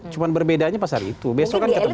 cuma berbedanya pas hari itu besok kan ketemu lagi